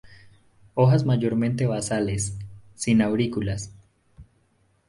Hojas mayormente basales; sin aurículas.